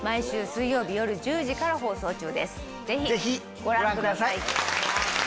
ぜひご覧ください。